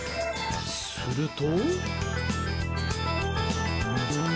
すると。